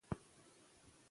خو کۀ انسان پۀ خپل سوچ